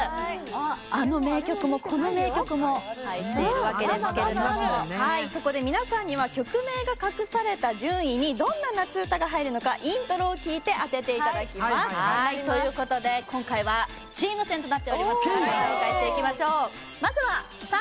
あの名曲もこの名曲も入っているわけですけれどもそこで皆さんには曲名が隠された順位にどんな夏うたが入るのかイントロを聴いて当てていただきますということで今回はチーム戦となっておりますから紹介していきましょう